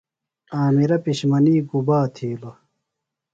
عامرہ پِشمنی گُبا تِھیلوۡ؟